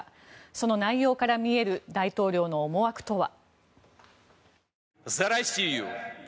その内容から見える大統領の思惑とは。